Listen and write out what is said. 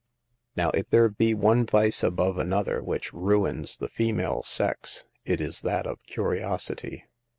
Now, if there be one vice above another which ruins the female sex, it is that of curiosity.